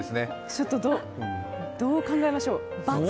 ちょっとどう考えましょう。